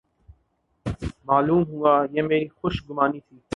معلوم ہوا یہ میری خوش گمانی تھی۔